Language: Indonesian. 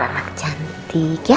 anak cantik ya